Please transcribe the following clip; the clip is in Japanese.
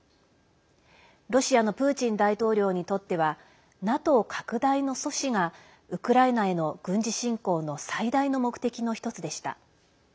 ロシアのプーチン大統領にとってはＮＡＴＯ拡大の阻止がウクライナへの軍事侵攻の最大の目的の一つでした。